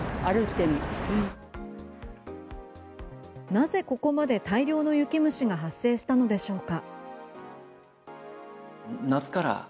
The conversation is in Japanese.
なぜ、ここまで大量の雪虫が発生したのでしょうか？